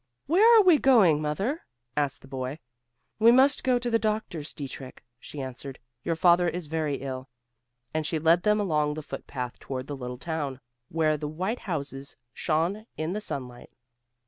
"Where are we going, mother?" asked the boy. "We must go to the doctor's, Dietrich," she answered, "your father is very ill." And she led them along the foot path toward the little town, where the white houses shone in the sunlight.